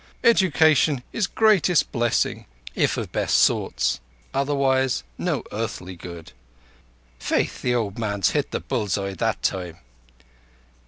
Education is greatest blessing if of best sorts. Otherwise no earthly use._' Faith, the old man's hit the bull's eye that time!